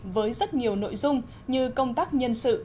với rất nhiều nội dung như công tác nhân sự